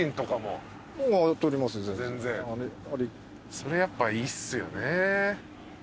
それやっぱいいっすよね。